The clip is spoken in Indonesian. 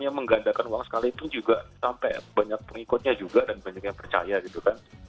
yang menggandakan uang sekalipun juga sampai banyak pengikutnya juga dan banyak yang percaya gitu kan